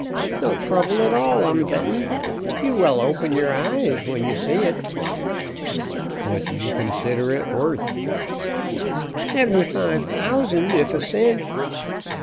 "No trouble at all, I'm bettin'. You will open yer eyes when ye see et." "What do you consider it worth?" "Seventy five thousand, if a cent."